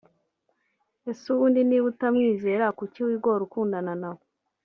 Ese ubundi niba utamwizera kuki wigora ukundana nawe